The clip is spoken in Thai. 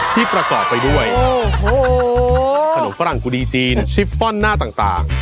ประกอบไปด้วยโอ้โหขนมฝรั่งกุดีจีนชิปฟอนหน้าต่าง